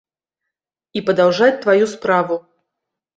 І падаўжаць тваю справу.